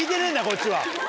こっちは。